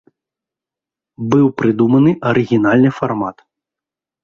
Быў прыдуманы арыгінальны фармат.